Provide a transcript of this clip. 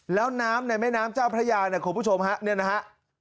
แล้วน้ำในแม่น้ำเจ้าพระยาเนี่ยคุณผู้ชมฮะเนี่ยนะฮะ